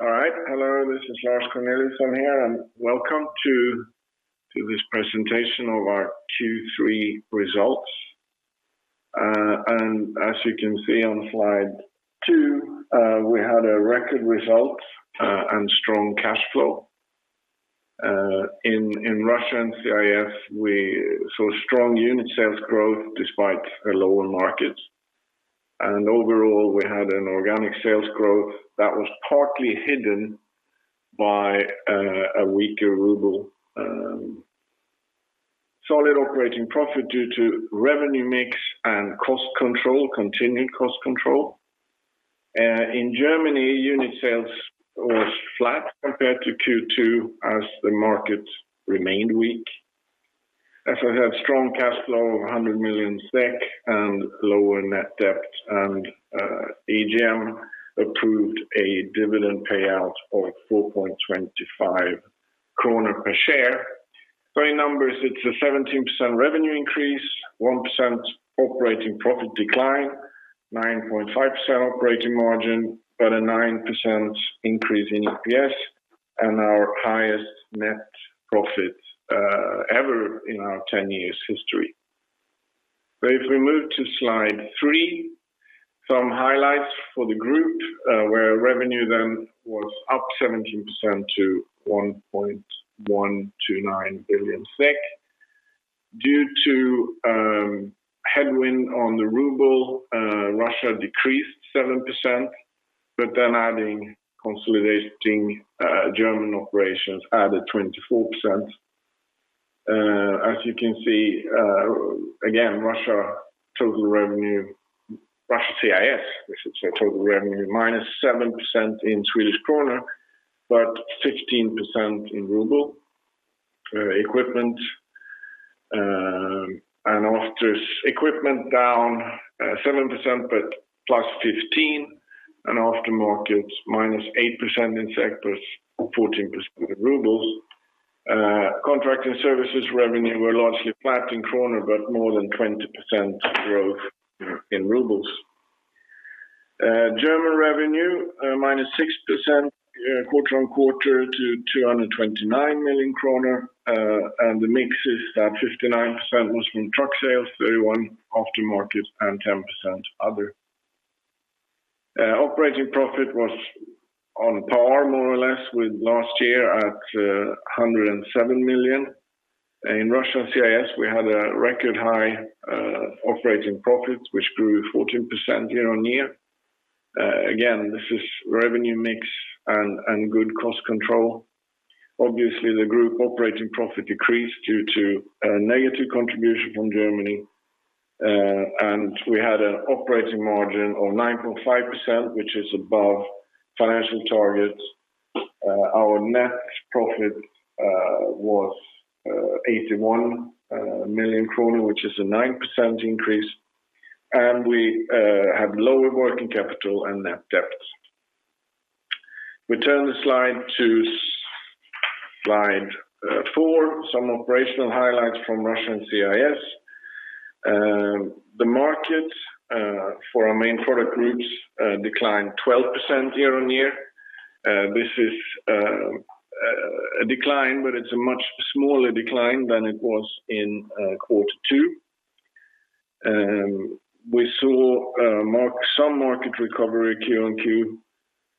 All right. Hello, this is Lars Corneliusson here, welcome to this presentation of our Q3 results. As you can see on slide two, we had a record result and strong cash flow. In Russia and CIS, we saw strong unit sales growth despite a lower market. Overall, we had an organic sales growth that was partly hidden by a weaker ruble. Solid operating profit due to revenue mix and continued cost control. In Germany, unit sales was flat compared to Q2 as the market remained weak. As I have strong cash flow of 100 million SEK and lower net debt, AGM approved a dividend payout of 4.25 kronor per share. Revenue numbers, it is a 17% revenue increase, 1% operating profit decline, 9.5% operating margin, but a 9% increase in EPS, and our highest net profit ever in our 10 years history. If we move to slide three, some highlights for the group, where revenue then was up 17% to 1.129 billion SEK. Due to headwind on the ruble, Russia decreased 7%, but then adding consolidating German operations added 24%. As you can see, again Russia CIS, which is our total revenue, -7% in Svensk krona, but 15% in ruble. Equipment down 7%, but +15%, and aftermarket -8% in SEK +14% in ruble. Contracting Services revenue were largely flat in SEK, but more than 20% growth in ruble. German revenue, -6% Q-on-Q to 229 million kronor. The mix is that 59% was from truck sales, 31% aftermarket, and 10% other. Operating profit was on par more or less with last year at 107 million In Russia and CIS, we had a record high operating profit, which grew 14% year-on-year. Again, this is revenue mix and good cost control. Obviously, the group operating profit decreased due to a negative contribution from Germany. We had an operating margin of 9.5%, which is above financial targets. Our net profit was 81 million kronor, which is a 9% increase. We had lower working capital and net debt. We turn the slide to slide four, some operational highlights from Russia and CIS. The market for our main product groups declined 12% year-on-year. This is a decline, but it's a much smaller decline than it was in Q2. We saw some market recovery Q-on-Q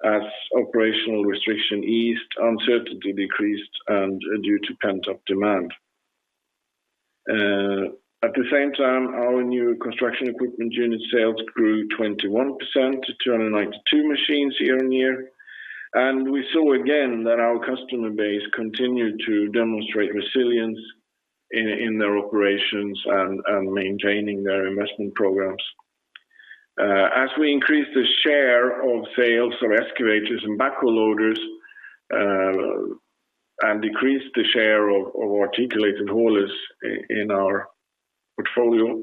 as operational restriction eased, uncertainty decreased, and due to pent-up demand. At the same time, our new construction equipment unit sales grew 21% to 292 machines year-on-year. We saw again that our customer base continued to demonstrate resilience in their operations and maintaining their investment programs. We increased the share of sales of excavators and backhoe loaders, and decreased the share of articulated haulers in our portfolio,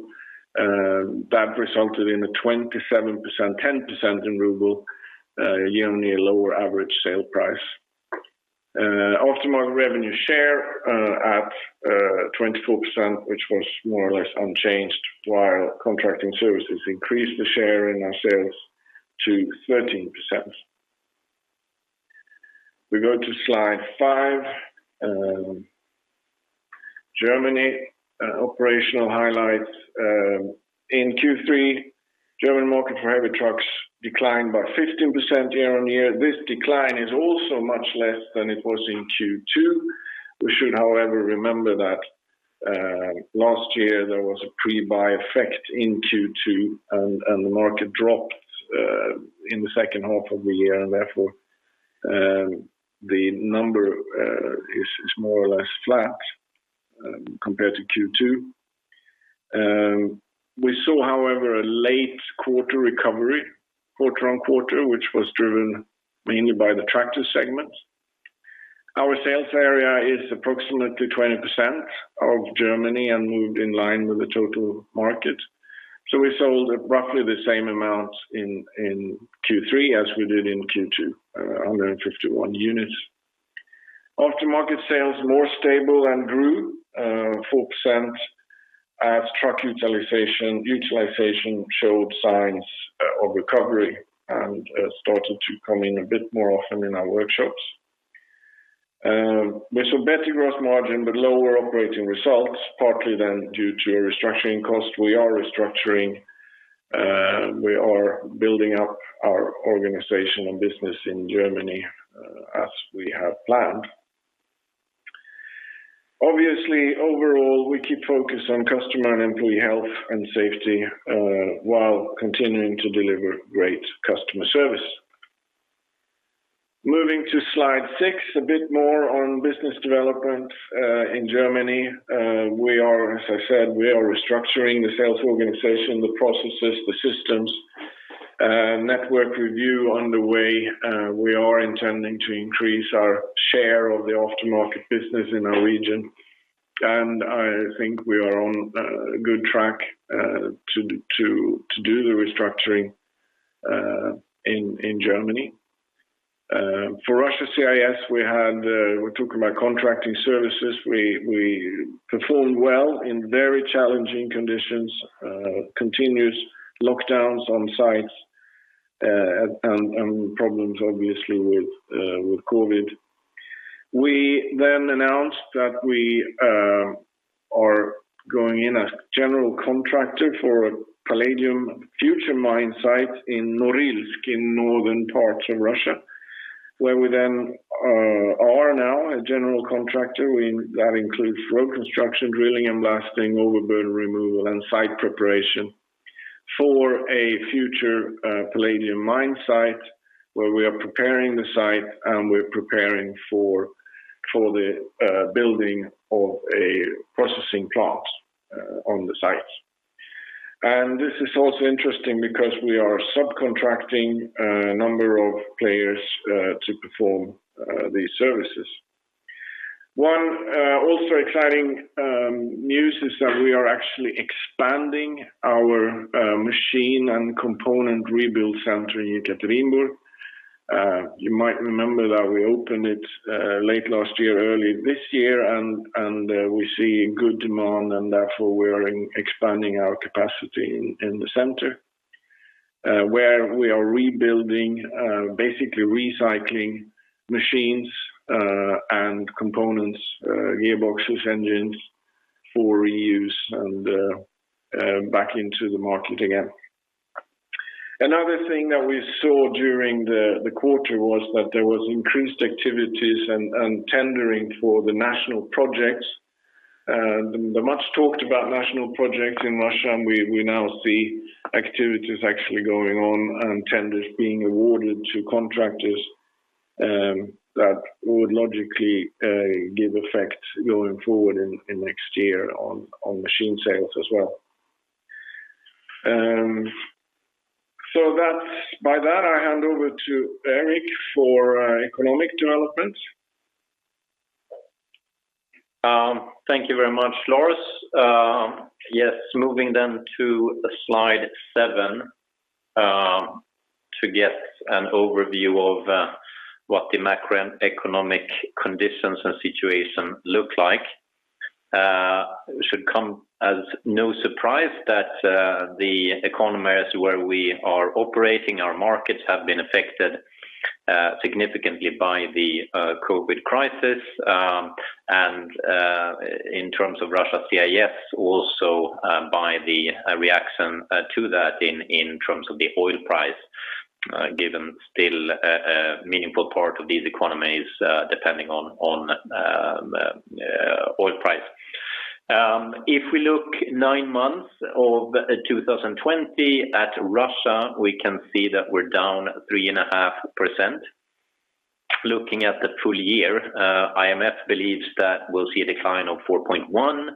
that resulted in a 27%, 10% in ruble, year-on-year lower average sale price. Aftermarket revenue share at 24%, which was more or less unchanged while Contracting Services increased the share in our sales to 13%. We go to slide five. Germany operational highlights. In Q3, German market for heavy trucks declined by 15% year-on-year. This decline is also much less than it was in Q2. We should, however, remember that last year there was a pre-buy effect in Q2, and the market dropped in the second half of the year, and therefore, the number is more or less flat compared to Q2. We saw, however, a late quarter recovery quarter on quarter, which was driven mainly by the tractor segment. Our sales area is approximately 20% of Germany and moved in line with the total market. We sold roughly the same amount in Q3 as we did in Q2, 151 units. Aftermarket sales more stable and grew 4% as truck utilization showed signs of recovery and started to come in a bit more often in our workshops. We saw better gross margin but lower operating results, partly then due to restructuring costs. We are restructuring. We are building up our organization and business in Germany as we have planned. Obviously, overall, we keep focus on customer and employee health and safety while continuing to deliver great customer service. Moving to slide six, a bit more on business development in Germany. As I said, we are restructuring the sales organization, the processes, the systems. Network review underway. We are intending to increase our share of the aftermarket business in our region, and I think we are on good track to do the restructuring in Germany. For Russia/CIS, we're talking about Contracting Services. We performed well in very challenging conditions, continuous lockdowns on sites, and problems obviously with COVID. We then announced that we are going in as general contractor for a palladium future mine site in Norilsk, in northern parts of Russia, where we then are now a general contractor. That includes road construction, drilling and blasting, overburden removal, and site preparation for a future palladium mine site, where we are preparing the site and we're preparing for the building of a processing plant on the site. This is also interesting because we are subcontracting a number of players to perform these services. One also exciting news is that we are actually expanding our machine and component rebuild center in Yekaterinburg. You might remember that we opened it late last year, early this year, and we see good demand, and therefore, we are expanding our capacity in the center, where we are rebuilding, basically recycling machines and components, gearboxes, engines for reuse and back into the market again. Another thing that we saw during the quarter was that there was increased activities and tendering for the National Projects. The much-talked-about National Projects in Russia, and we now see activities actually going on and tenders being awarded to contractors. That would logically give effect going forward in next year on machine sales as well. By that, I hand over to Erik for economic development. Thank you very much, Lars. Moving to slide seven to get an overview of what the macroeconomic conditions and situation look like. It should come as no surprise that the economies where we are operating, our markets have been affected significantly by the COVID-19 crisis. In terms of Russia/CIS, also by the reaction to that in terms of the oil price, given still a meaningful part of these economies depending on oil price. If we look nine months of 2020 at Russia, we can see that we're down 3.5%. Looking at the full year, IMF believes that we'll see a decline of 4.1%.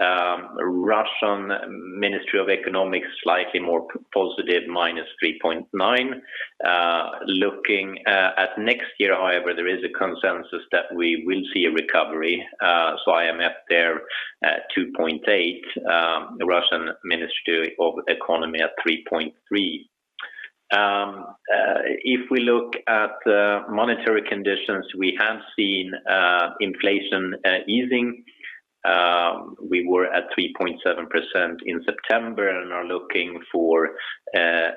Russian Ministry of Economics, slightly more positive, minus 3.9%. Looking at next year, however, there is a consensus that we will see a recovery. IMF there at 2.8%, the Russian Ministry of Economy at 3.3%. If we look at the monetary conditions, we have seen inflation easing. We were at 3.7% in September and are looking for a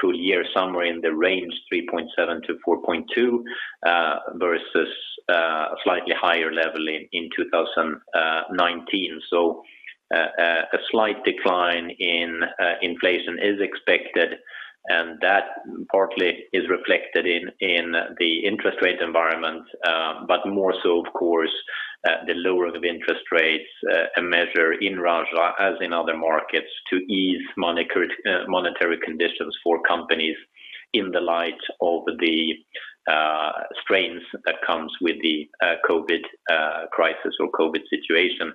full year somewhere in the range 3.7%-4.2% versus a slightly higher level in 2019. A slight decline in inflation is expected, and that partly is reflected in the interest rate environment. More so, of course, the lower the interest rates, a measure in Russia as in other markets to ease monetary conditions for companies in the light of the strains that comes with the COVID-19 crisis or COVID-19 situation.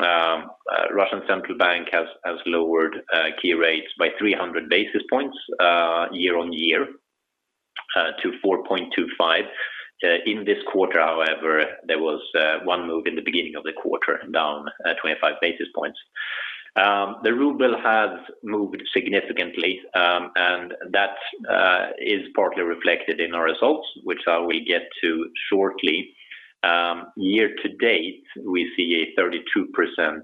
Russian Central Bank has lowered key rates by 300 basis points year-on-year to 4.25. In this quarter, however, there was one move in the beginning of the quarter, down 25 basis points. The ruble has moved significantly, and that is partly reflected in our results, which I will get to shortly. Year to date, we see a 32%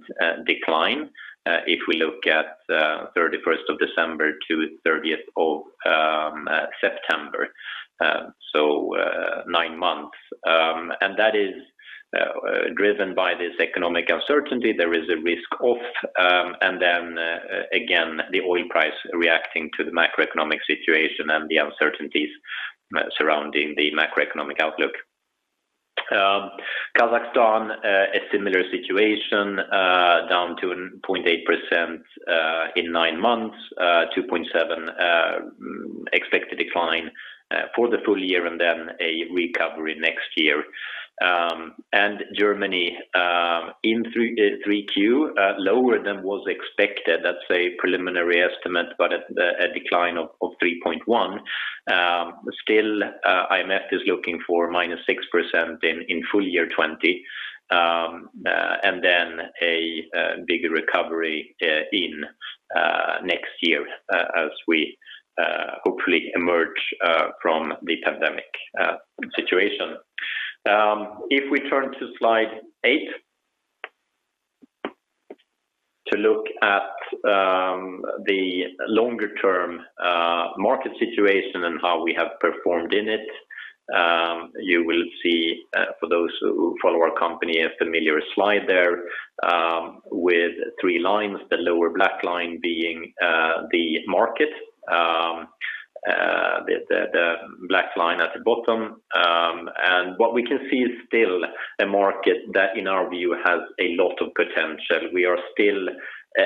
decline if we look at 31st of December to 30th of September, so nine months. That is driven by this economic uncertainty. There is a risk of, and then again, the oil price reacting to the macroeconomic situation and the uncertainties surrounding the macroeconomic outlook. Kazakhstan, a similar situation, down 2.8% in nine months, 2.7 expected decline for the full year, a recovery next year. Germany in Q3 lower than was expected. That's a preliminary estimate, a decline of 3.1. Still, IMF is looking for minus 6% in full year 2020, a big recovery in next year as we hopefully emerge from the pandemic situation. If we turn to slide eight, to look at the longer term market situation and how we have performed in it. You will see, for those who follow our company, a familiar slide there, with three lines, the lower black line being the market, the black line at the bottom. What we can see is still a market that, in our view, has a lot of potential. We are still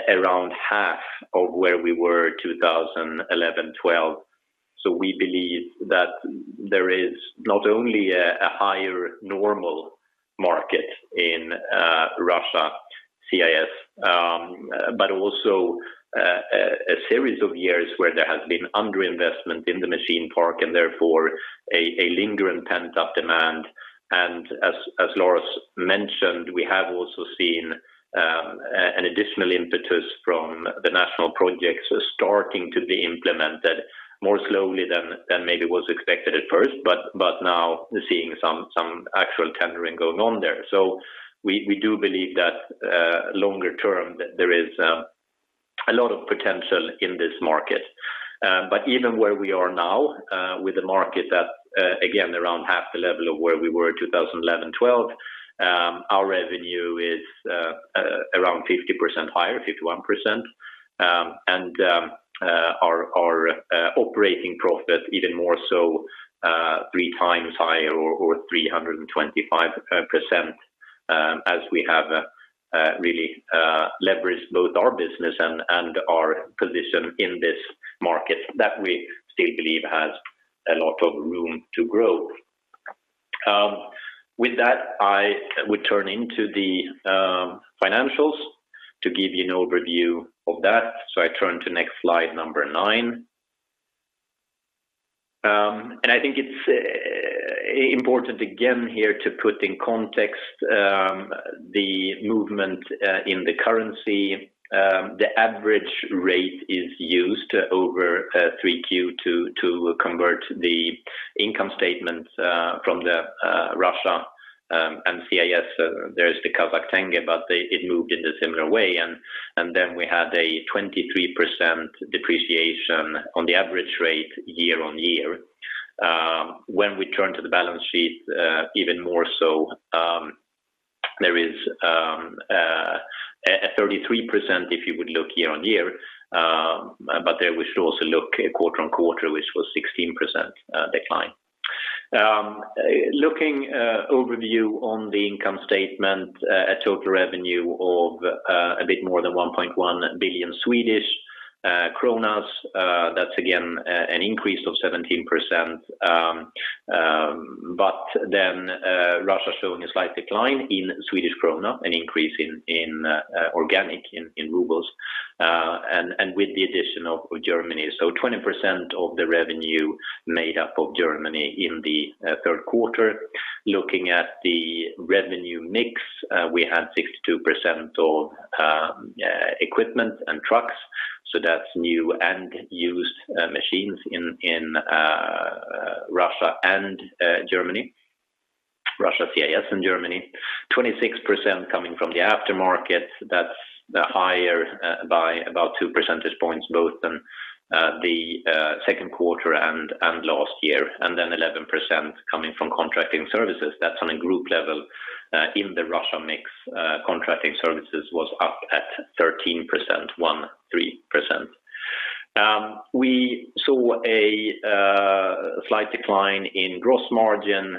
around half of where we were 2011-2012. We believe that there is not only a higher normal market in Russia, CIS, but also a series of years where there has been under-investment in the machine park and therefore a lingering pent-up demand. As Lars mentioned, we have also seen an additional impetus from the National Projects starting to be implemented more slowly than maybe was expected at first, but now seeing some actual tendering going on there. We do believe that longer term, there is a lot of potential in this market. Even where we are now with the market at, again, around half the level of where we were 2011-2012, our revenue is around 50% higher, 51%. Our operating profit even more so, three times higher or 325% as we have really leveraged both our business and our position in this market that we still believe has a lot of room to grow. With that, I would turn into the financials to give you an overview of that. I turn to next slide number nine. I think it's important again here to put in context the movement in the currency. The average rate is used over Q3 to convert the income statement from the Russia and CIS. There is the Kazakh Tenge, but it moved in a similar way. Then we had a 23% depreciation on the average rate year-on-year. When we turn to the balance sheet, even more so, there is a 33%, if you would look year-on-year. There we should also look Q-on-Q, which was 16% decline. Looking overview on the income statement, a total revenue of a bit more than 1.1 billion Swedish kronor. That's again, an increase of 17%, Russia showing a slight decline in SEK, an increase in organic in ruble, and with the addition of Germany. 20% of the revenue made up of Germany in the Q3. Looking at the revenue mix, we had 62% of equipment and trucks. That's new and used machines in Russia and Germany, Russia, CIS and Germany. 26% coming from the aftermarket. That's higher by about two percentage points, both than the Q2 and last year, 11% coming from Contracting Services. That's on a group level. In the Russia mix, Contracting Services was up at 13%, 1-3%. We saw a slight decline in gross margin,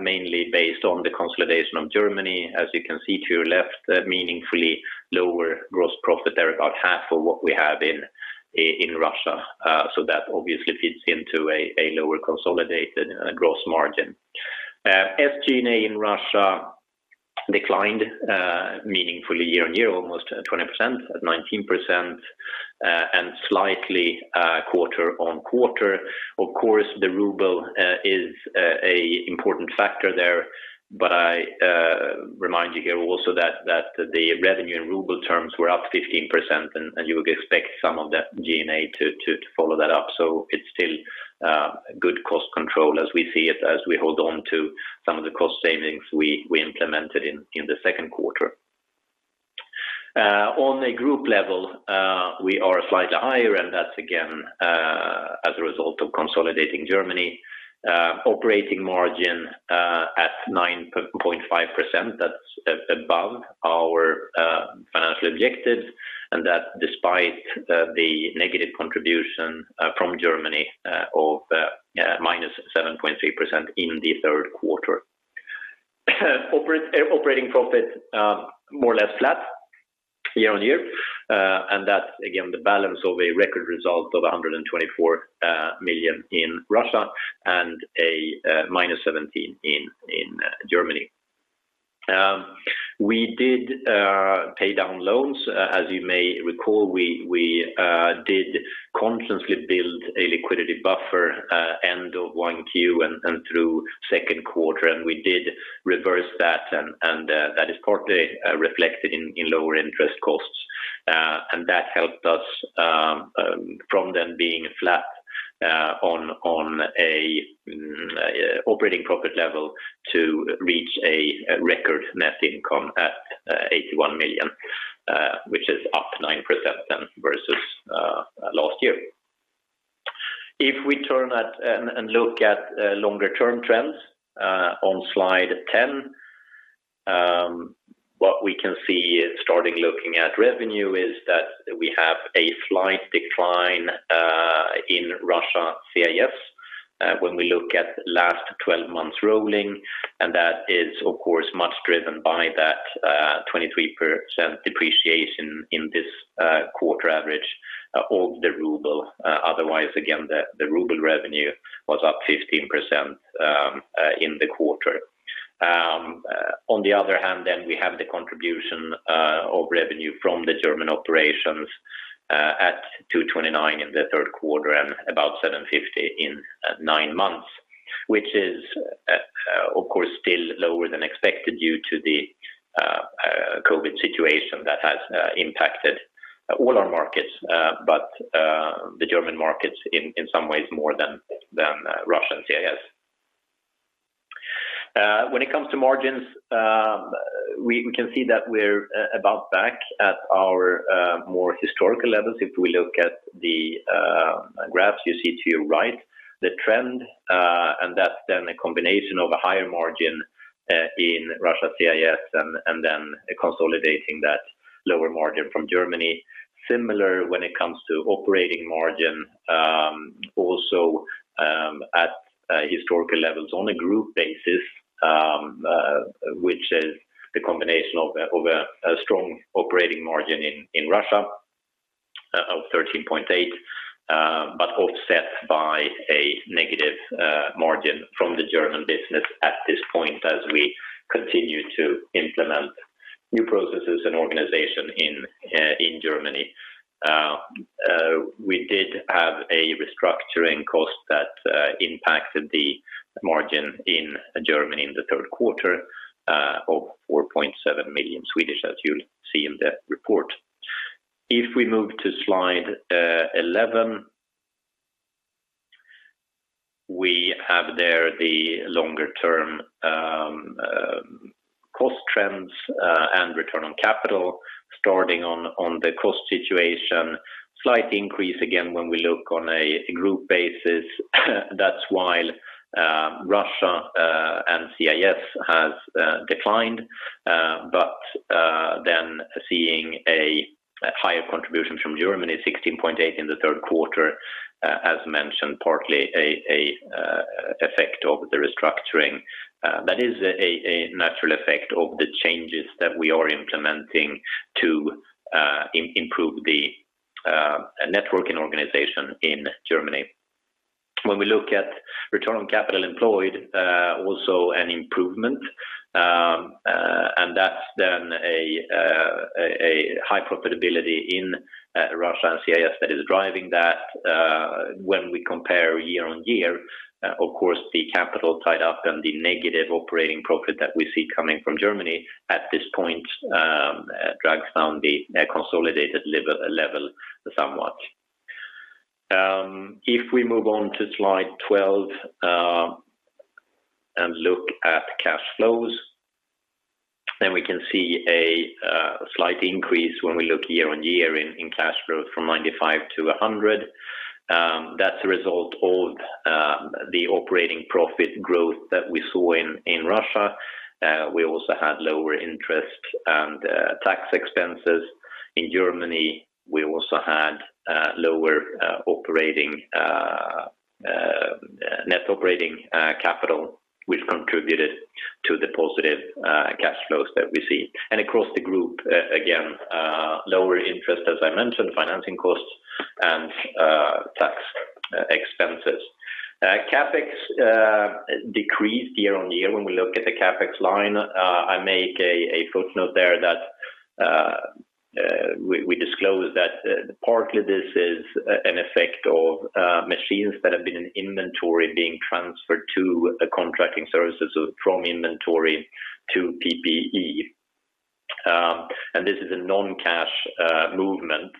mainly based on the consolidation of Germany. As you can see to your left, meaningfully lower gross profit there, about half of what we have in Russia. That obviously feeds into a lower consolidated gross margin. SG&A in Russia declined meaningfully year-on-year, almost 20% at 19%. Slightly quarter-on-quarter. Of course, the ruble is an important factor there, but I remind you here also that the revenue in ruble terms were up 15%, and you would expect some of that SG&A to follow that up. It's still good cost control as we see it, as we hold on to some of the cost savings we implemented in the second quarter. On a group level, we are slightly higher, that's again as a result of consolidating Germany operating margin at 9.5%. That's above our financial objectives, that despite the negative contribution from Germany of -7.3% in Q3. Operating profit more or less flat year-on-year. That's again the balance of a record result of 124 million in Russia and -17 million in Germany. We did pay down loans. As you may recall, we did consciously build a liquidity buffer end of 1Q and through Q2, we did reverse that is partly reflected in lower interest costs. That helped us from then being flat on an operating profit level to reach a record net income at 81 million, which is up 9% then versus last year. If we turn and look at longer term trends on slide 10, what we can see starting looking at revenue is that we have a slight decline in Russia CIS when we look at last 12 months rolling. That is, of course, much driven by that 23% depreciation in this quarter average of the ruble. Otherwise, again, the ruble revenue was up 15% in the quarter. On the other hand, we have the contribution of revenue from the German operations at 229 in the third quarter and about 750 in nine months, which is, of course, still lower than expected due to the COVID situation that has impacted all our markets, but the German markets in some ways more than Russia CIS. When it comes to margins, we can see that we're about back at our more historical levels. If we look at the graphs you see to your right, the trend, that's a combination of a higher margin in Russia CIS and then consolidating that lower margin from Germany. Similar when it comes to operating margin, also at historical levels on a group basis, which is the combination of a strong operating margin in Russia of 13.8%, offset by a negative margin from the German business at this point as we continue to implement new processes and organization in Germany. We did have a restructuring cost that impacted the margin in Germany in the third quarter of 4.7 million, as you'll see in the report. If we move to slide 11, we have there the longer-term cost trends and return on capital. Starting on the cost situation, slight increase again when we look on a group basis. That's while Russia and CIS has declined. Seeing a higher contribution from Germany, 16.8% in the third quarter. As mentioned, partly a effect of the restructuring. That is a natural effect of the changes that we are implementing to improve the networking organization in Germany. When we look at return on capital employed, also an improvement, and that's then a high profitability in Russia and CIS that is driving that. When we compare year-over-year, of course, the capital tied up and the negative operating profit that we see coming from Germany at this point drags down the consolidated level somewhat. If we move on to slide 12 and look at cash flows, then we can see a slight increase when we look year-over-year in cash flow from 95 to 100. That's a result of the operating profit growth that we saw in Russia. We also had lower interest and tax expenses in Germany. We also had lower net operating capital, which contributed to the positive cash flows that we see. Across the group, again, lower interest, as I mentioned, financing costs and tax expenses. CapEx decreased year-on-year when we look at the CapEx line. I make a footnote there that we disclose that partly this is an effect of machines that have been in inventory being transferred to Contracting Services from inventory to PPE. This is a non-cash movement.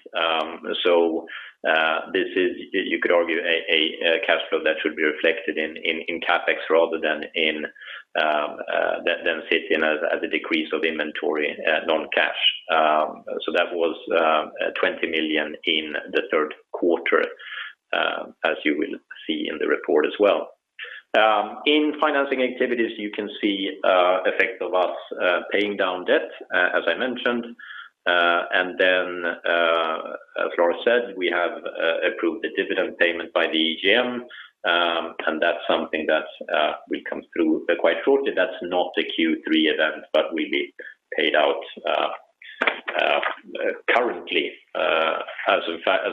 This is, you could argue, a cash flow that should be reflected in CapEx rather than sit in as a decrease of inventory non-cash. That was 20 million in the third quarter as you will see in the report as well. In financing activities, you can see effect of us paying down debt as I mentioned. As Lars said, we have approved a dividend payment by the AGM, that's something that will come through quite shortly. That's not a Q3 event, but will be paid out currently. As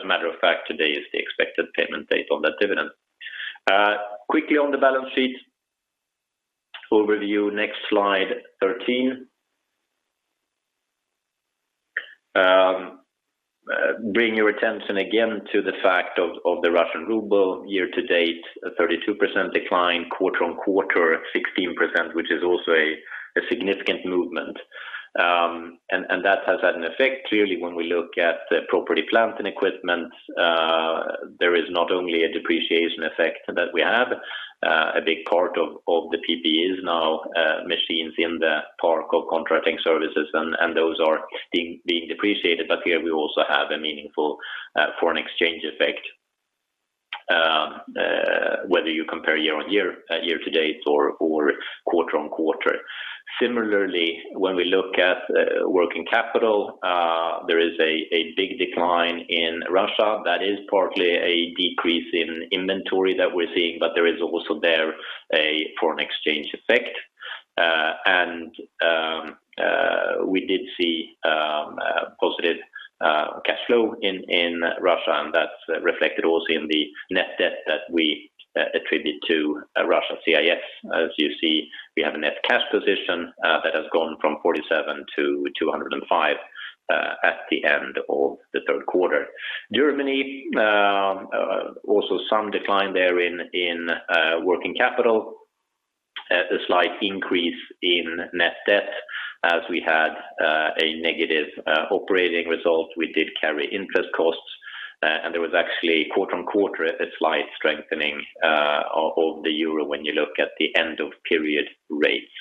a matter of fact, today is the expected payment date of that dividend. Quickly on the balance sheet overview, next slide 13. Bring your attention again to the fact of the Russian ruble year-to-date, a 32% decline quarter on quarter, 16%, which is also a significant movement. That has had an effect clearly when we look at property plant and equipment. There is not only a depreciation effect that we have, a big part of the PPE is now machines in the park of Contracting Services and those are being depreciated. Here we also have a meaningful foreign exchange effect whether you compare year-on-year to date or quarter-on-quarter. Similarly, when we look at working capital, there is a big decline in Russia that is partly a decrease in inventory that we're seeing, but there is also there a foreign exchange effect. We did see positive cash flow in Russia, and that's reflected also in the net debt that we attribute to Russia CIS. As you see, we have a net cash position that has gone from 47 to 205 at the end of the third quarter. Germany also some decline there in working capital. A slight increase in net debt as we had a negative operating result. We did carry interest costs, there was actually quarter-on-quarter, a slight strengthening of the euro when you look at the end of period rates.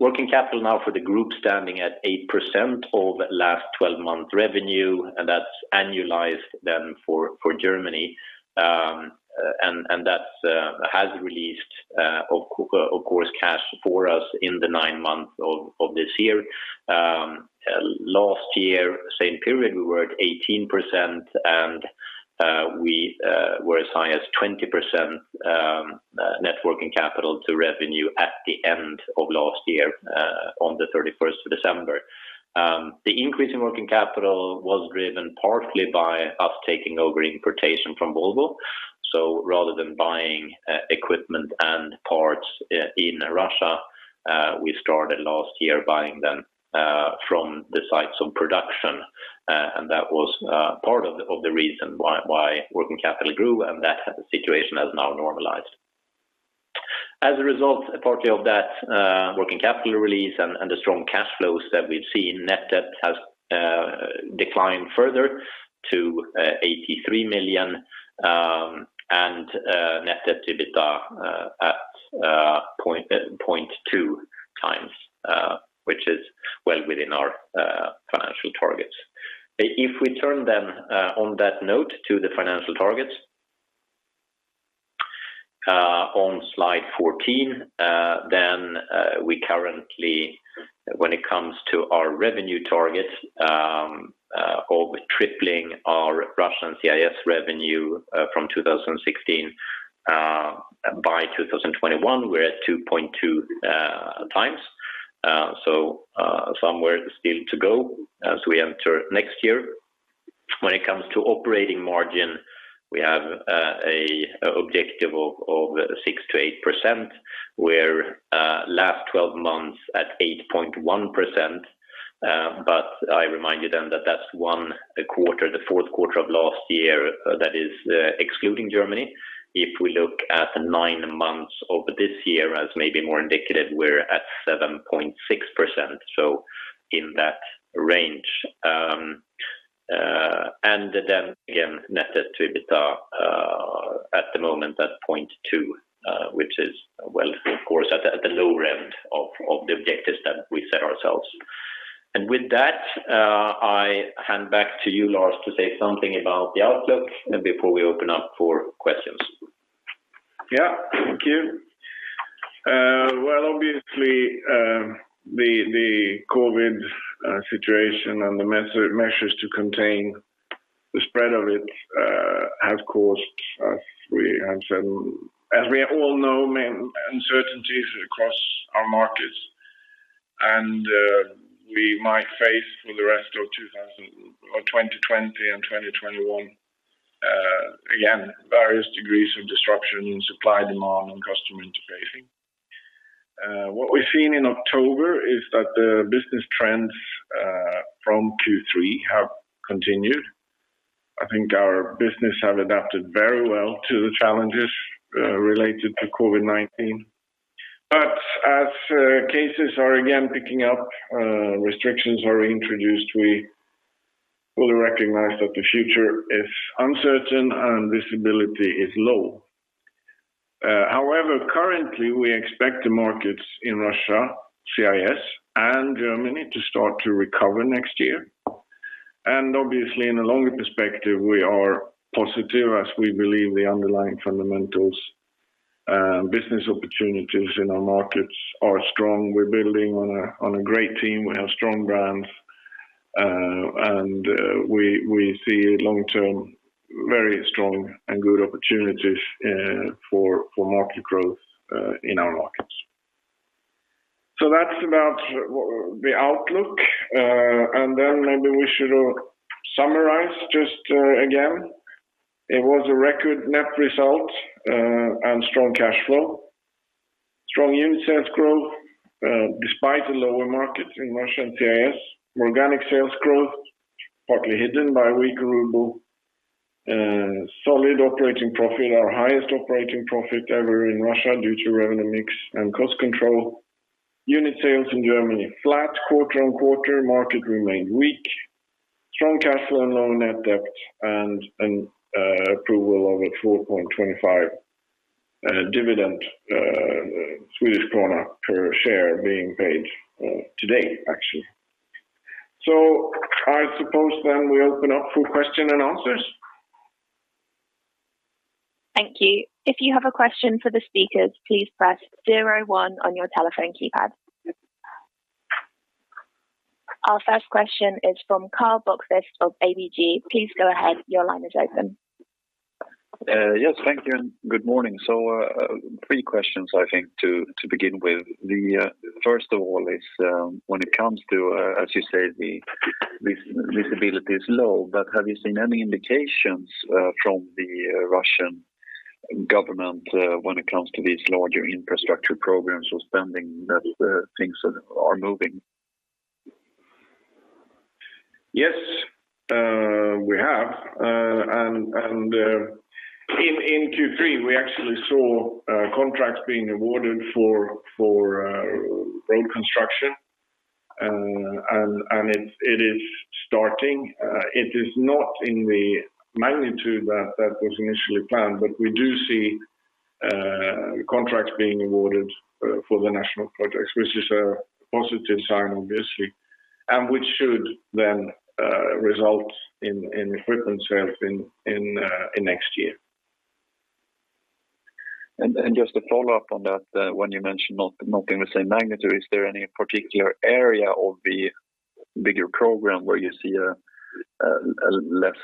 Working capital now for the group standing at 8% of last 12-month revenue. That's annualized then for Germany. That has released of course, cash for us in the nine months of this year. Last year, same period, we were at 18% and we were as high as 20% net working capital to revenue at the end of last year on the 31st of December. The increase in working capital was driven partly by us taking over importation from Volvo. Rather than buying equipment and parts in Russia, we started last year buying them from the sites of production. That was part of the reason why working capital grew and that situation has now normalized. As a result, partly of that working capital release and the strong cash flows that we've seen, net debt has declined further to 83 million, and net debt to EBITDA at 0.2x which is well within our financial targets. If we turn on that note to the financial targets on slide 14, we currently, when it comes to our revenue targets of tripling our Russian CIS revenue from 2016 by 2021, we're at 2.2x. I remind you then that that's one quarter, the fourth quarter of last year, that is excluding Germany. If we look at nine months of this year as maybe more indicative, we're at 7.6%, so in that range. Net debt to EBITDA at the moment at 0.2 which is well, of course at the lower end of the objectives that we set ourselves. With that, I hand back to you, Lars, to say something about the outlook before we open up for questions. Thank you. Well, obviously, the COVID situation and the measures to contain the spread of it have caused us, as we have said, and as we all know, many uncertainties across our markets. We might face for the rest of 2020 and 2021, again, various degrees of disruption in supply, demand, and customer interfacing. What we've seen in October is that the business trends from Q3 have continued. I think our business have adapted very well to the challenges related to COVID-19. As cases are again picking up, restrictions are introduced, we fully recognize that the future is uncertain and visibility is low. However, currently we expect the markets in Russia, CIS, and Germany to start to recover next year. Obviously in the longer perspective, we are positive as we believe the underlying fundamentals and business opportunities in our markets are strong. We're building on a great team. We have strong brands. We see long-term, very strong and good opportunities for market growth in our markets. That's about the outlook. Then maybe we should summarize just again. It was a record net result and strong cash flow. Strong unit sales growth despite the lower markets in Russia and CIS. Organic sales growth partly hidden by a weaker ruble. Solid operating profit, our highest operating profit ever in Russia due to revenue mix and cost control. Unit sales in Germany, flat quarter on quarter, market remained weak. Strong cash flow and low net debt and an approval of a 4.25 dividend per share being paid today, actually. I suppose then we open up for question and answers. Thank you. If you have a question for the speakers, please press 01 on your telephone keypad. Our first question is from Karl Bokvist of ABG. Please go ahead. Your line is open. Yes, thank you, and good morning. Three questions I think to begin with. The first of all is when it comes to, as you say, the visibility is low, but have you seen any indications from the Russian government when it comes to these larger infrastructure programs or spending that things are moving? Yes, we have. In Q3, we actually saw contracts being awarded for road construction. It is starting. It is not in the magnitude that was initially planned, but we do see contracts being awarded for the National Projects, which is a positive sign, obviously, and which should then result in frequent sales in next year. Just a follow-up on that, when you mention not in the same magnitude, is there any particular area of the bigger program where you see less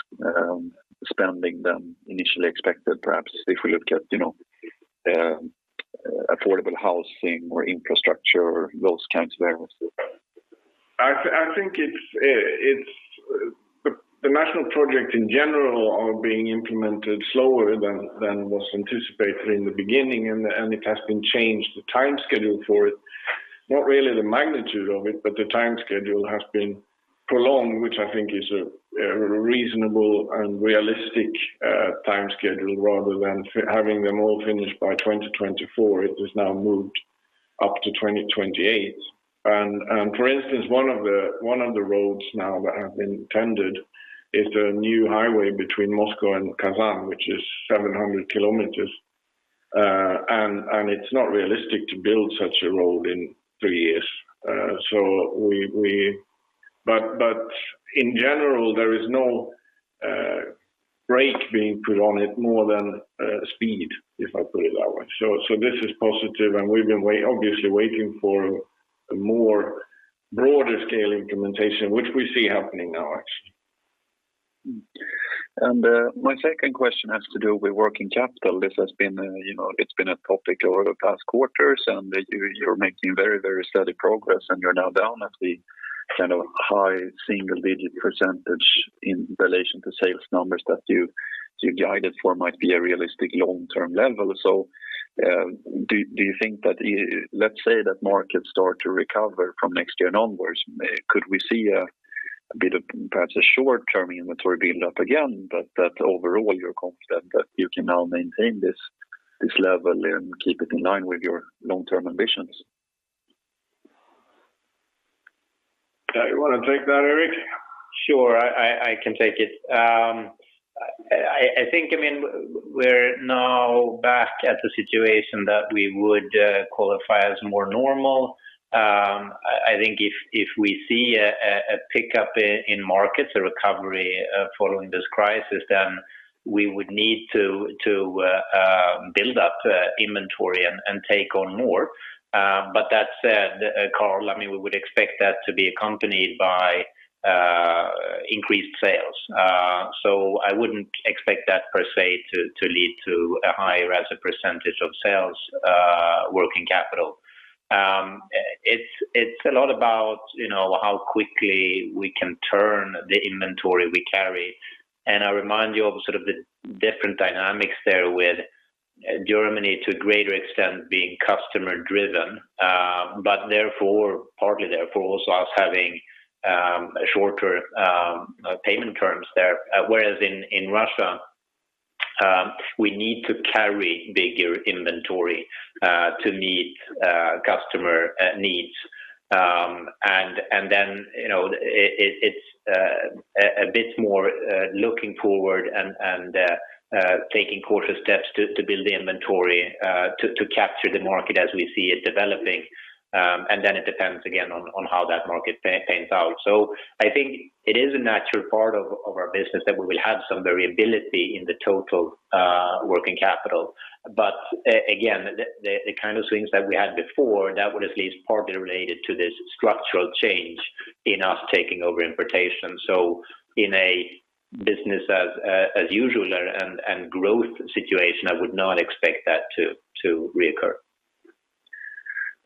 spending than initially expected perhaps? If we look at affordable housing or infrastructure or those kinds of areas. I think the National Projects in general are being implemented slower than was anticipated in the beginning. It has been changed, the time schedule for it. Not really the magnitude of it, but the time schedule has been prolonged, which I think is a reasonable and realistic time schedule rather than having them all finished by 2024. It is now moved up to 2028. For instance, one of the roads now that have been tendered is the new highway between Moscow and Kazan, which is 700 km, and it's not realistic to build such a road in three years. In general, there is no brake being put on it more than speed, if I put it that way. This is positive. We've been obviously waiting for a more broader scale implementation, which we see happening now, actually. My second question has to do with working capital. This has been a topic over the past quarters, and you're making very, very steady progress, and you're now down at the high single-digit percentage in relation to sales numbers that you guided for might be a realistic long-term level. Do you think that, let's say that markets start to recover from next year onwards, could we see a bit of perhaps a short-term inventory build up again? Overall you're confident that you can now maintain this level and keep it in line with your long-term ambitions? You want to take that, Erik? Sure, I can take it. I think we're now back at the situation that we would qualify as more normal. I think if we see a pickup in markets, a recovery following this crisis, then we would need to build up inventory and take on more. That said, Karl, we would expect that to be accompanied by increased sales. I wouldn't expect that per se to lead to a higher as a percentage of sales working capital. It's a lot about how quickly we can turn the inventory we carry, and I remind you of sort of the different dynamics there with Germany to a greater extent being customer driven, but partly therefore also us having shorter payment terms there. In Russia, we need to carry bigger inventory to meet customer needs. It's a bit more looking forward and taking cautious steps to build the inventory to capture the market as we see it developing. It depends again on how that market pans out. I think it is a natural part of our business that we will have some variability in the total working capital. Again, the kind of swings that we had before, that was at least partly related to this structural change in us taking over importation. In a business as usual and growth situation, I would not expect that to reoccur.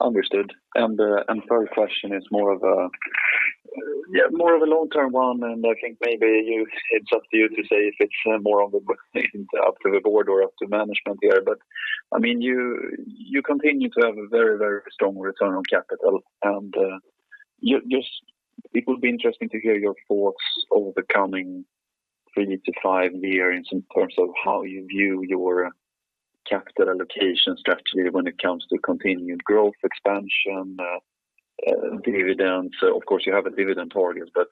Understood. Third question is more of a long-term one, and I think maybe it's up to you to say if it's more up to the board or up to management here. You continue to have a very strong return on capital. It will be interesting to hear your thoughts over the coming three to five years in terms of how you view your capital allocation strategy when it comes to continued growth, expansion, dividends. Of course, you have a dividend target, but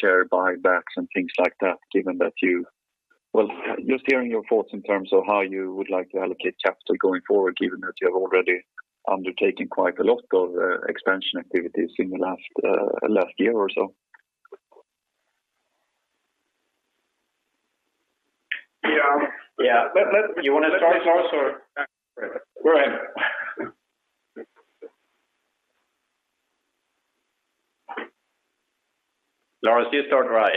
share buybacks and things like that, just hearing your thoughts in terms of how you would like to allocate capital going forward, given that you have already undertaken quite a lot of expansion activities in the last year or so. Yeah. Yeah. You want to start, Lars, or? Go ahead. Lars, you start, right?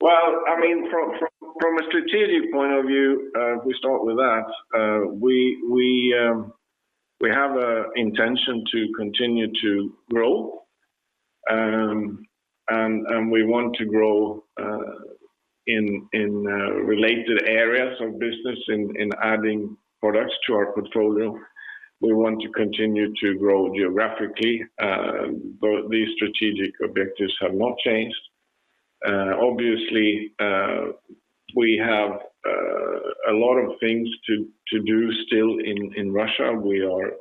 From a strategic point of view, if we start with that, we have an intention to continue to grow. We want to grow in related areas of business in adding products to our portfolio. We want to continue to grow geographically. These strategic objectives have not changed. Obviously, we have a lot of things to do still in Russia. We are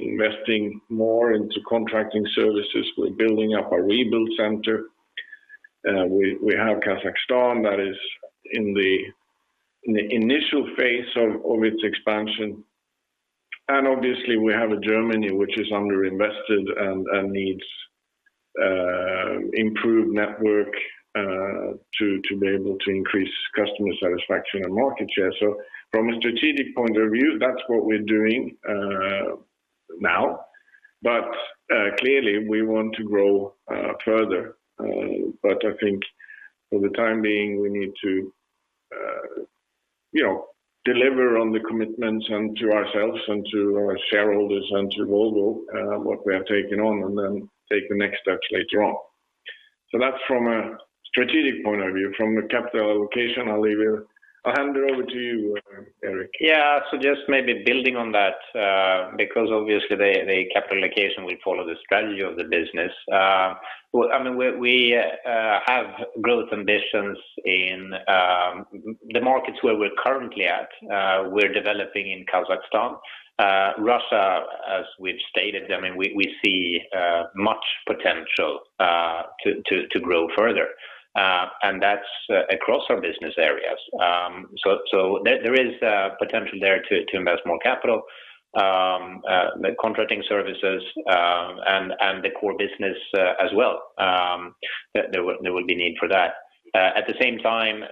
investing more into Contracting Services. We're building up a rebuild center. We have Kazakhstan that is in the initial phase of its expansion. Obviously we have a Germany, which is under-invested and needs improved network to be able to increase customer satisfaction and market share. From a strategic point of view, that's what we're doing now. Clearly we want to grow further. I think for the time being, we need to deliver on the commitments and to ourselves and to our shareholders and to Volvo, what we have taken on, and then take the next steps later on. That's from a strategic point of view, from a capital allocation, I'll hand it over to you, Erik. Yeah. Just maybe building on that, because obviously the capital allocation will follow the strategy of the business. We have growth ambitions in the markets where we're currently at. We're developing in Kazakhstan. Russia, as we've stated, we see much potential to grow further. That's across our business areas. There is potential there to invest more capital, the Contracting Services, and the core business as well. There will be need for that. At the same time,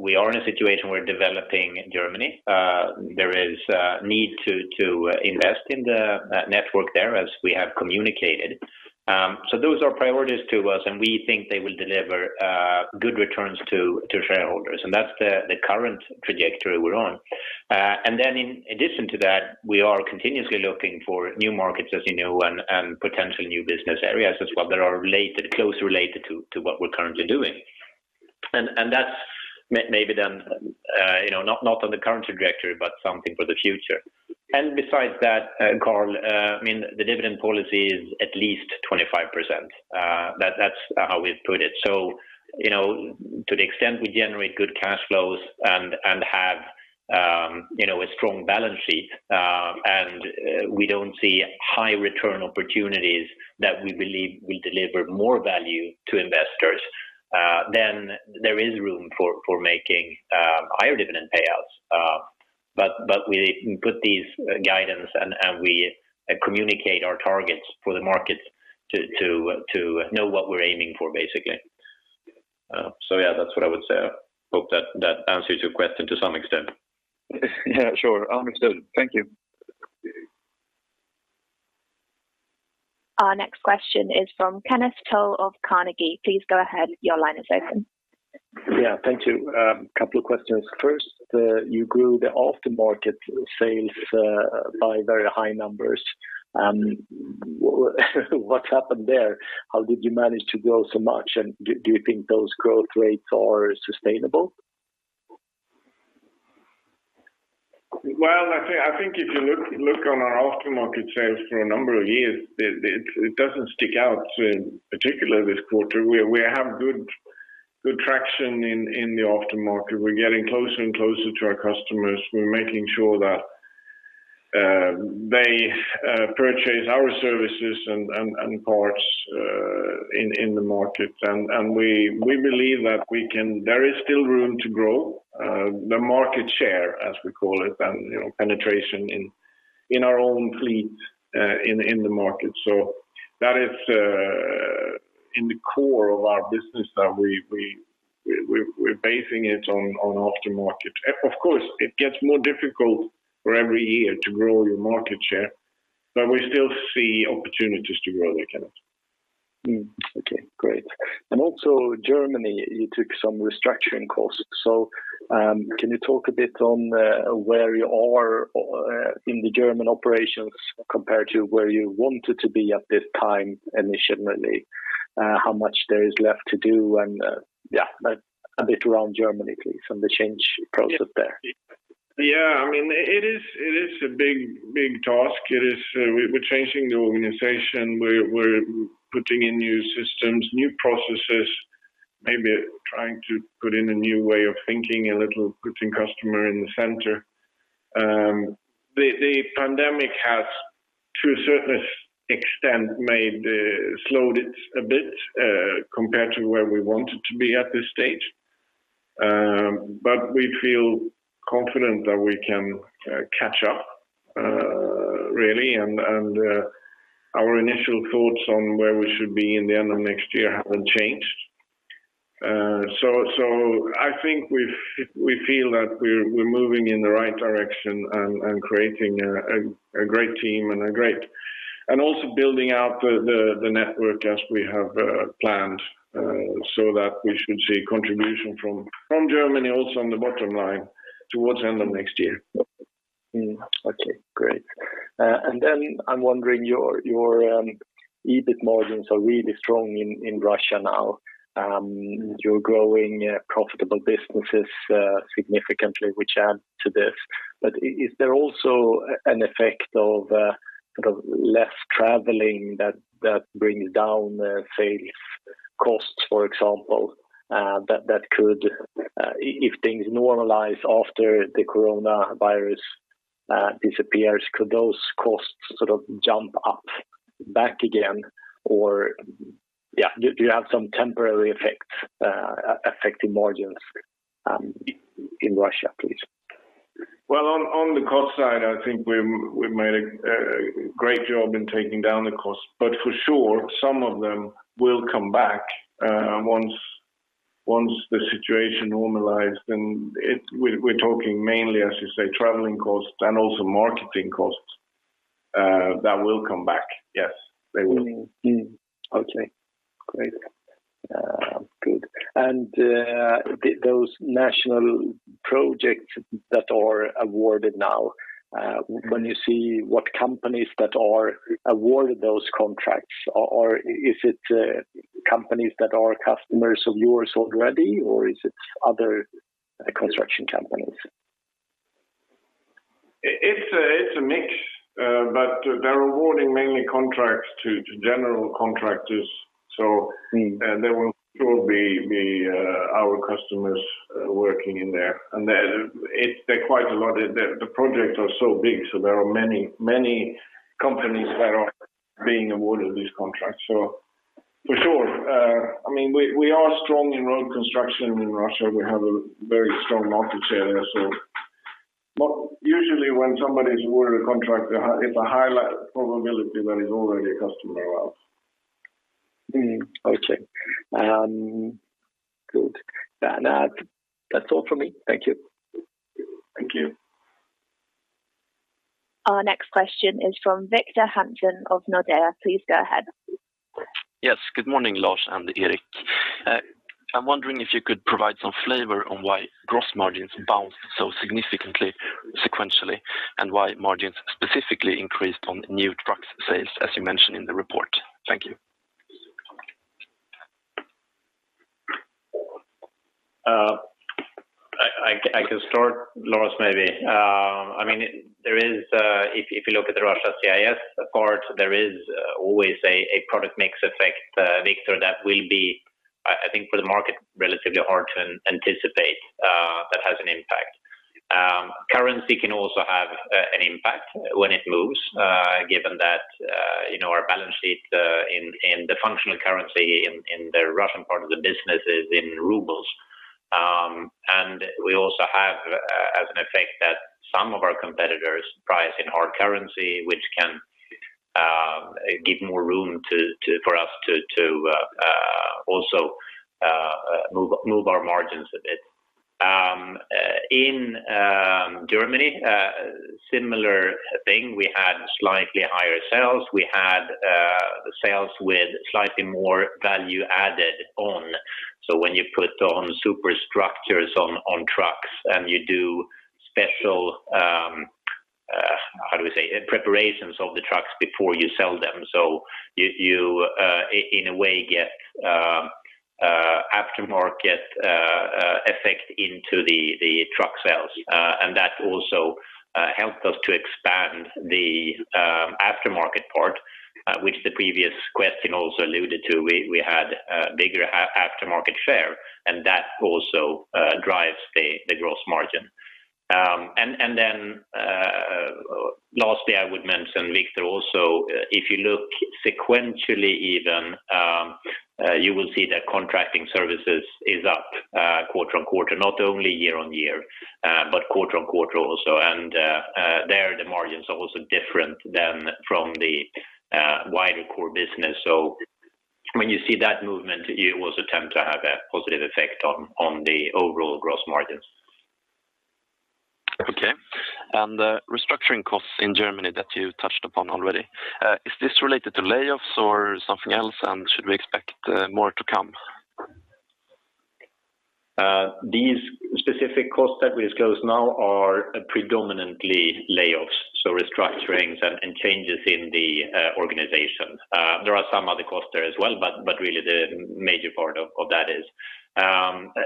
we are in a situation we're developing in Germany. There is a need to invest in the network there as we have communicated. Those are priorities to us, and we think they will deliver good returns to shareholders. That's the current trajectory we're on. In addition to that, we are continuously looking for new markets, as you know, and potential new business areas as well that are closely related to what we're currently doing. That's maybe not on the current trajectory, but something for the future. Besides that, Karl, the dividend policy is at least 25%. That's how we've put it. To the extent we generate good cash flows and have a strong balance sheet, and we don't see high return opportunities that we believe will deliver more value to investors, then there is room for making higher dividend payouts. We put these guidance, and we communicate our targets for the markets to know what we're aiming for, basically. Yeah, that's what I would say. I hope that answers your question to some extent. Yeah, sure. Understood. Thank you. Our next question is from Kenneth Toll of Carnegie. Yeah, thank you. A couple of questions. First, you grew the aftermarket sales by very high numbers. What happened there? How did you manage to grow so much, and do you think those growth rates are sustainable? Well, I think if you look on our aftermarket sales for a number of years, it doesn't stick out in particular this quarter. We have good traction in the aftermarket. We're getting closer and closer to our customers. We're making sure that they purchase our services and parts in the market. We believe that there is still room to grow the market share, as we call it, and penetration in our own fleet in the market. That is in the core of our business that we're basing it on aftermarket. Of course, it gets more difficult for every year to grow your market share, but we still see opportunities to grow there, Kenneth. Okay, great. Also Germany, you took some restructuring costs. Can you talk a bit on where you are in the German operations compared to where you wanted to be at this time, initially? How much there is left to do, and a bit around Germany, please, and the change process there. It is a big task. We're changing the organization. We're putting in new systems, new processes, maybe trying to put in a new way of thinking a little, putting customer in the center. The pandemic has, to a certain extent, slowed it a bit, compared to where we wanted to be at this stage. We feel confident that we can catch up, really. Our initial thoughts on where we should be in the end of next year haven't changed. I think we feel that we're moving in the right direction and creating a great team and also building out the network as we have planned, so that we should see contribution from Germany also on the bottom line towards end of next year. Okay, great. I'm wondering, your EBIT margins are really strong in Russia now. You're growing profitable businesses significantly, which add to this. Is there also an effect of less traveling that brings down sales costs, for example, that could, if things normalize after the coronavirus disappears, could those costs jump up back again? Do you have some temporary effects affecting margins in Russia, please? Well, on the cost side, I think we made a great job in taking down the costs. For sure, some of them will come back once the situation normalized, and we're talking mainly, as you say, traveling costs and also marketing costs that will come back. Yes, they will. Okay, great. Good. Those National Projects that are awarded now, when you see what companies that are awarded those contracts, or is it companies that are customers of yours already, or is it other construction companies? It's a mix. They're awarding mainly contracts to general contractors. There will still be our customers working in there. The projects are so big. There are many companies that are being awarded these contracts. For sure, we are strong in road construction in Russia. We have a very strong market share there. Usually when somebody is awarded a contract, it's a high probability that is already a customer of ours. Okay. Good. That's all from me. Thank you. Thank you. Our next question is from Victor Hansen of Nordea. Please go ahead. Yes. Good morning, Lars and Erik. I'm wondering if you could provide some flavor on why gross margins bounced so significantly sequentially, and why margins specifically increased on new truck sales, as you mentioned in the report. Thank you. I can start, Lars, maybe. If you look at the Russia CIS part, there is always a product mix effect, Victor, that will be, I think for the market, relatively hard to anticipate that has an impact. Currency can also have an impact when it moves, given that our balance sheet in the functional currency in the Russian part of the business is in RUB. We also have as an effect that some of our competitors price in our currency, which can give more room for us to also move our margins a bit. In Germany, similar thing. We had slightly higher sales. We had sales with slightly more value added on. When you put on superstructures on trucks and you do special How do we say, preparations of the trucks before you sell them. You, in a way, get aftermarket effect into the truck sales. That also helped us to expand the aftermarket part, which the previous question also alluded to. We had a bigger aftermarket share, and that also drives the gross margin. Lastly, I would mention, Victor, also if you look sequentially even, you will see that Contracting Services is up quarter on quarter, not only year on year, but quarter on quarter also. There, the margins are also different than from the wider core business. When you see that movement, it will attempt to have a positive effect on the overall gross margins. Okay. The restructuring costs in Germany that you touched upon already, is this related to layoffs or something else, and should we expect more to come? These specific costs that we disclose now are predominantly layoffs, so restructurings and changes in the organization. There are some other costs there as well, but really the major part of that is.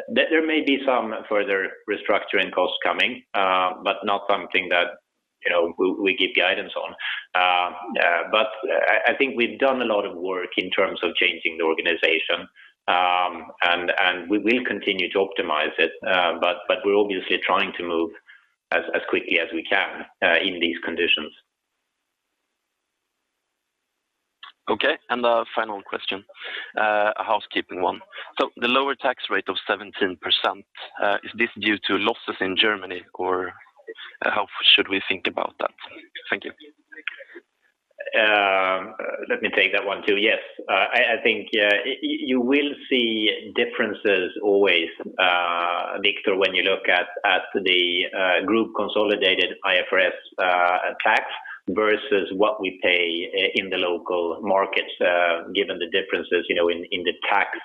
There may be some further restructuring costs coming, but not something that we give guidance on. I think we've done a lot of work in terms of changing the organization, and we will continue to optimize it. We're obviously trying to move as quickly as we can in these conditions. A final question, a housekeeping one. The lower tax rate of 17%, is this due to losses in Germany, or how should we think about that? Thank you. Let me take that one, too. Yes. I think you will see differences always, Victor, when you look at the group consolidated IFRS tax versus what we pay in the local markets, given the differences in the tax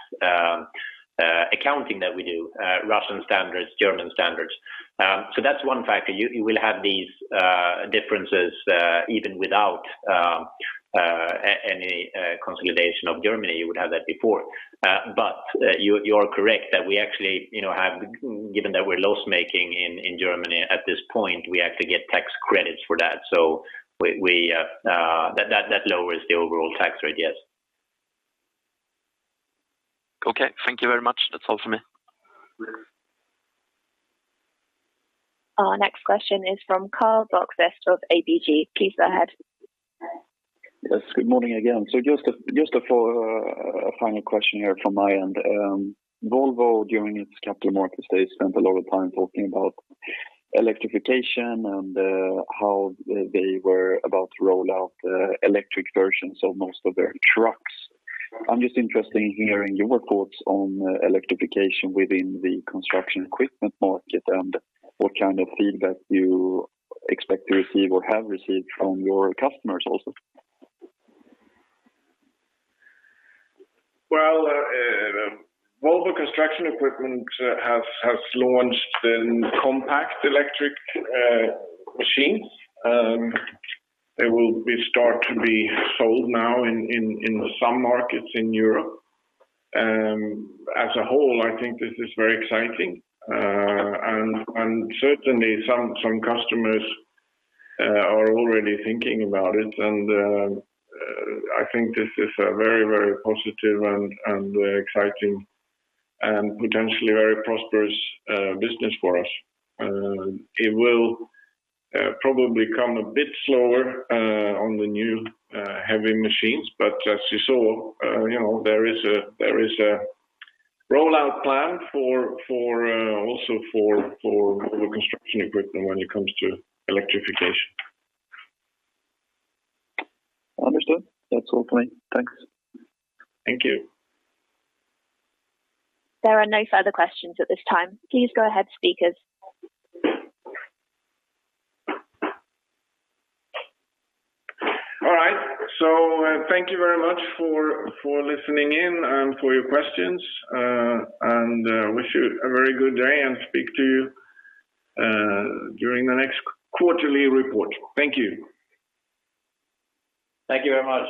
accounting that we do, Russian standards, German standards. That's one factor. You will have these differences, even without any consolidation of Germany, you would have that before. You are correct that we actually have, given that we're loss-making in Germany at this point, we actually get tax credits for that. That lowers the overall tax rate, yes. Okay. Thank you very much. That's all for me. Our next question is from Karl Bokvist of ABG. Please go ahead. Yes, good morning again. Just a final question here from my end. Volvo, during its capital markets day, spent a lot of time talking about electrification and how they were about to roll out electric versions of most of their trucks. I'm just interested in hearing your thoughts on electrification within the construction equipment market and what kind of feedback you expect to receive or have received from your customers also. Volvo Construction Equipment has launched compact electric machines. They will start to be sold now in some markets in Europe. As a whole, I think this is very exciting. Certainly, some customers are already thinking about it, and I think this is a very, very positive and exciting and potentially very prosperous business for us. It will probably come a bit slower on the new heavy machines, but as you saw, there is a rollout plan also for Volvo Construction Equipment when it comes to electrification. Understood. That's all for me. Thanks. Thank you. There are no further questions at this time. Please go ahead, speakers. All right. Thank you very much for listening in and for your questions, and wish you a very good day, and speak to you during the next quarterly report. Thank you. Thank you very much.